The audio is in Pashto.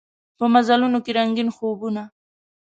په مزلونوکې رنګین خوبونه